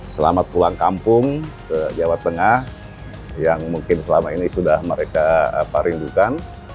selamat pulang kampung ke jawa tengah yang mungkin selama ini sudah mereka rindukan